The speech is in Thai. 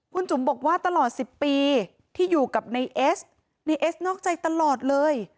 คุณจุ๋มบอกว่าตลอด๑๐ปีที่อยู่กับในเอสในเอสนอกใจตลอดเลย